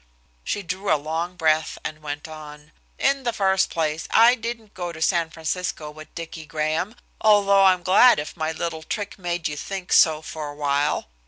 She drew a long breath, and went on. "In the first place, I didn't go to San Francisco with Dicky Graham, although I'm glad if my little trick made you think so for awhile.